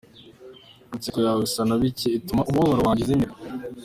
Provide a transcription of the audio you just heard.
Inseko yawe isa nabike ituma umubabaro wanjye uzimira.